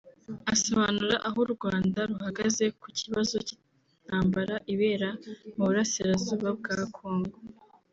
Asobanura aho u Rwanda ruhagaze ku kibazo cy’intambara ibera mu burasirazuba bwa Kongo